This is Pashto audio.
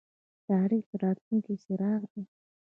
تاریخ د راتلونکي څراغ دی